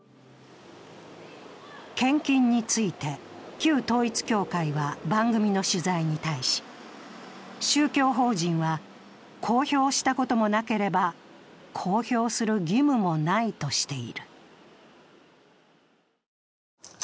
献金について旧統一教会は番組の取材に対し宗教法人は公表したこともなければ、公表する義務もないとしている。